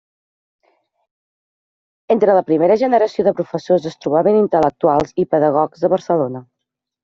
Entre la primera generació de professors es trobaven Intel·lectuals i pedagogs de Barcelona.